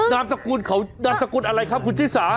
นามสกุลเขานามสกุลอะไรครับคุณชิสา